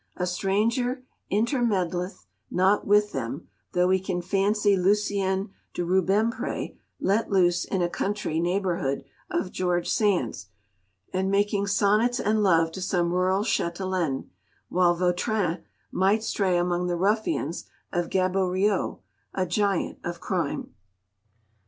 A stranger intermeddleth not with them, though we can fancy Lucien de Rubempré let loose in a country neighbourhood of George Sand's, and making sonnets and love to some rural châtelaine, while Vautrin might stray among the ruffians of Gaboriau, a giant of crime.